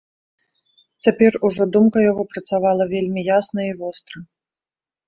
Цяпер ужо думка яго працавала вельмі ясна і востра.